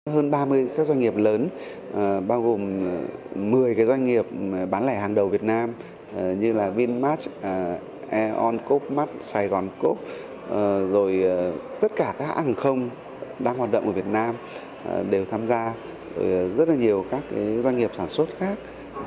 hơn ba mươi doanh nghiệp lớn bao gồm một mươi doanh nghiệp bán lẻ hàng đầu việt nam như vinmatch eoncoop saigoncoop tất cả các hãng không đang hoạt động ở việt nam đều tham gia rất nhiều doanh nghiệp sản xuất khác